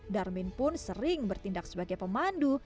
darmin pun sering bertindak sebagai pemandu